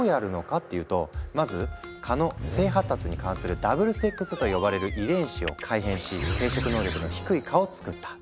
っていうとまず蚊の性発達に関係する「ダブルセックス」と呼ばれる遺伝子を改変し生殖能力の低い蚊を作った。